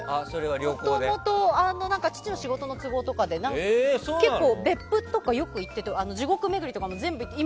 もともと、父の仕事の都合とかで結構、別府とかよく行って地獄巡りとかも全部行ってて。